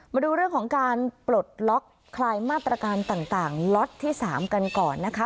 มาดูเรื่องของการปลดล็อกคลายมาตรการต่างล็อตที่๓กันก่อนนะคะ